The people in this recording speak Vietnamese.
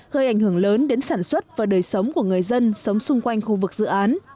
gây ảnh hưởng lớn đến sản xuất và đời sống của người dân sống xung quanh khu vực dự án